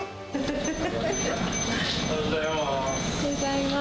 おはようございます。